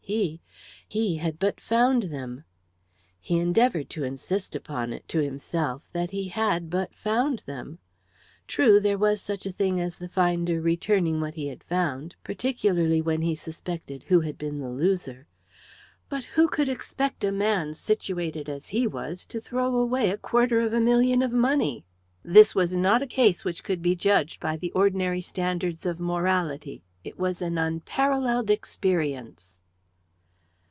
He he had but found them. He endeavoured to insist upon it, to himself, that he had but found them. True, there was such a thing as the finder returning what he had found particularly when he suspected who had been the loser. But who could expect a man situated as he was to throw away a quarter of a million of money? This was not a case which could be judged by the ordinary standards of morality it was an unparalleled experience.